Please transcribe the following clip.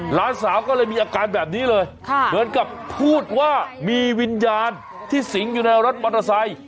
หลานสาวก็เลยมีอาการแบบนี้เลยเหมือนกับพูดว่ามีวิญญาณที่สิงอยู่ในรถมอเตอร์ไซค์